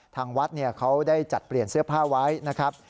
ทางวัดเขาได้จัดเปลี่ยนเสื้อผ้าไว้นะครับ